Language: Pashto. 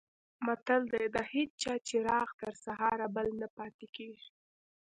متل دی: د هېچا چراغ تر سهاره بل نه پاتې کېږي.